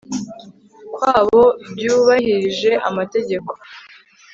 kwabo byu bahirije amategeko